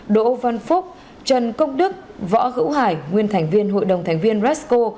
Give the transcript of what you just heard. đỗ văn phúc trần công đức võ hữu hải nguyên thành viên hội đồng thành viên resco